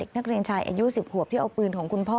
นักเรียนชายอายุ๑๐ขวบที่เอาปืนของคุณพ่อ